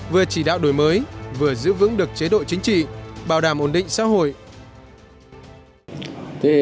vừa chỉ đạo đổi mới vừa giữ vững được chế độ chính trị bảo đảm ổn định xã hội